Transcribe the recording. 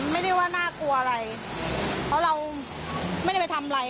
ไม่ได้ว่าน่ากลัวอะไรเพราะเราไม่ได้ไปทำอะไร